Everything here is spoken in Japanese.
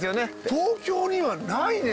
東京にはないね。